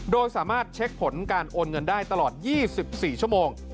โดยสามารถเช็คผลการโอนเงินได้ตลอด๒๔ชั่วโมง